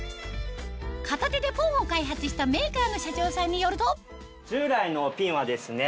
片手でポン‼を開発したメーカーの社長さんによると従来のピンはですね